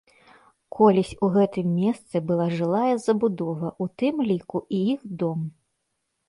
Колісь у гэтым месцы была жылая забудова, у тым ліку і іх дом.